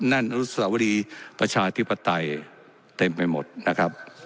อนุสวรีประชาธิปไตยเต็มไปหมดนะครับ